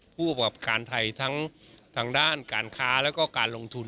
ผู้ประกอบการไทยทั้งทางด้านการค้าแล้วก็การลงทุน